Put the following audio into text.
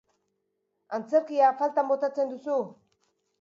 Antzerkia faltan botatzen duzu?